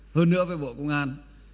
hơn nữa với bộ công an